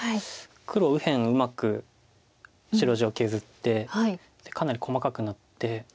黒右辺うまく白地を削ってかなり細かくなって。